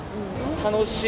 楽しい。